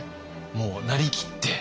もうなりきって。